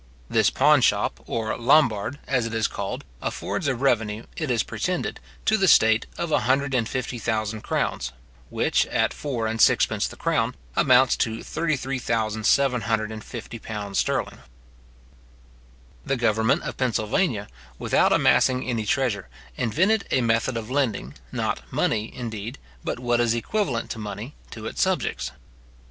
This pawn shop, or lombard, as it is called, affords a revenue, it is pretended, to the state, of a hundred and fifty thousand crowns, which, at four and sixpence the crown, amounts to £33,750 sterling. The government of Pennsylvania, without amassing any treasure, invented a method of lending, not money, indeed, but what is equivalent to money, to its subjects.